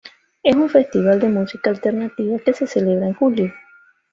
Es un festival de música alternativa que se celebra en julio.